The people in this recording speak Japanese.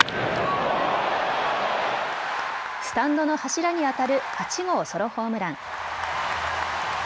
スタンドの柱に当たる８号ソロホームラン。